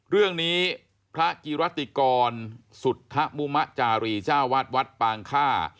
เรื่องนี้พระกิรัติกรสุรทะมุมะจาลิจ้าวัฒน์วัฒน์ปาล์งค่า